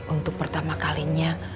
untuk pertama kalinya